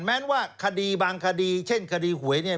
แม้ว่าคดีบางคดีเช่นคดีหวยเนี่ย